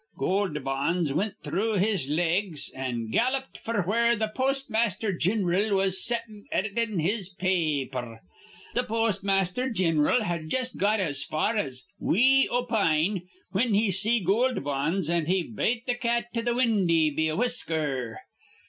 Goold Bonds wint through his legs, an' galloped f'r where th' Postmaster gin'ral was settin' editin' his pa aper. Th' Postmaster gin'ral had jus' got as far as 'we opine,' whin he see Goold Bonds, an' he bate th' cat to th' windy be a whisker.